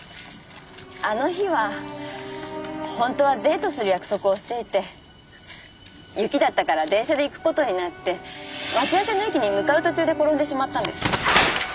あの日は本当はデートする約束をしていて雪だったから電車で行く事になって待ち合わせの駅に向かう途中で転んでしまったんです。